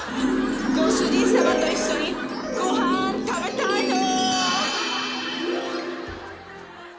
ご主人さまと一緒にご飯食べたいの！